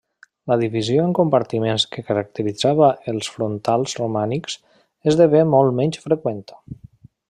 La divisió en compartiments que caracteritzava els frontals romànics esdevé molt menys freqüent.